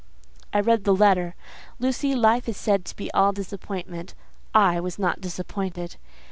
"I read the letter. Lucy, life is said to be all disappointment. I was not disappointed.